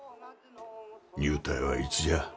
入隊はいつじゃあ？